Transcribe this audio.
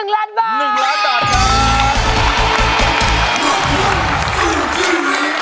๑ล้านบาท